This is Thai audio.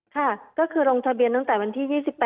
ค่ะก็คือลงทะเบียนตั้งแต่วันที่๒๘